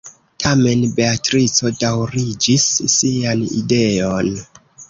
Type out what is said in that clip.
Tamen Beatrico daŭriĝis sian ideon.